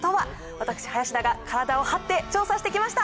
私林田が体を張って調査してきました！